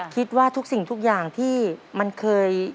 คิดว่าทุกสิ่งทุกอย่างที่มันเคย